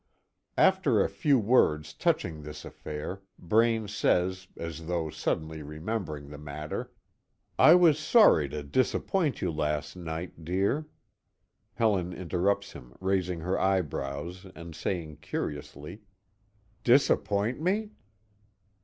After a few words touching this affair, Braine says, as though suddenly remembering the matter: "I was sorry to disappoint you last night, dear " Helen interrupts him, raising her eyebrows, and saying, curiously: "Disappoint me?"